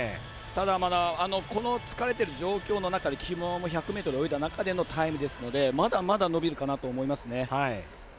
ただ、この疲れてる状況の中できのうも１００ｍ泳いだ中でのタイムですのでまだまだ伸びるかなと思います。